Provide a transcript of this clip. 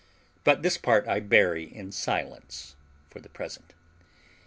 But this part I bury in silence for the present.